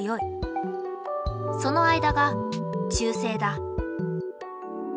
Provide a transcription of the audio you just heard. その間が中性だ。